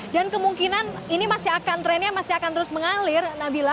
dan kemungkinan ini masih akan trennya masih akan terus mengalir nabila